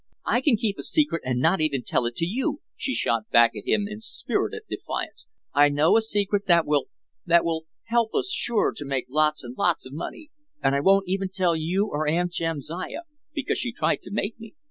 "I can keep a secret and not even tell it to you," she shot back at him in spirited defiance. "I know a secret that will—that will—help us sure to make lots and lots of money. And I wouldn't even tell you or Aunt Jamsiah, because she tried to make me.